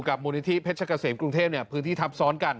มูลนิธิเพชรเกษมกรุงเทพพื้นที่ทับซ้อนกัน